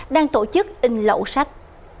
đang tổ chức in lậu sách